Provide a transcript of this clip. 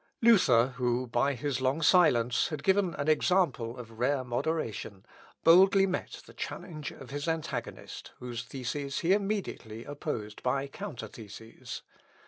Luther, who, by his long silence, had given an example of rare moderation, boldly met the challenge of his antagonist, whose theses he immediately opposed by counter theses.